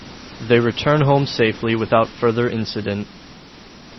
They return home safely without further incident.